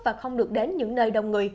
và không được đến những nơi đông người